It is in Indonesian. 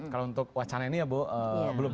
kalau untuk wacana ini ya bu